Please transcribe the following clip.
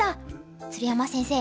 鶴山先生